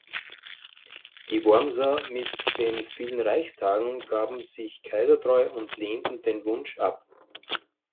Die Wormser mit den vielen Reichstagen gaben sich kaisertreu und lehnten den Wunsch ab.